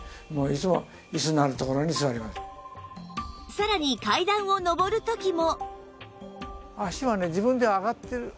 さらに階段を上る時も